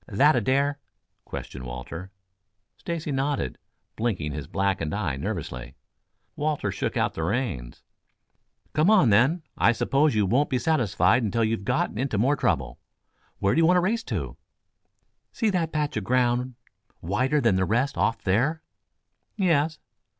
"That a dare?" questioned Walter. Stacy nodded, blinking his blackened eye nervously. Walter shook out the reins. "Come on, then. I suppose you won't be satisfied until you've gotten into more trouble. Where do you want to race to?" "See that patch of ground whiter than the rest off there?" "Yes."